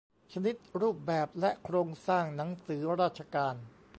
ชนิด รูปแบบ และโครงสร้างหนังสือราชการ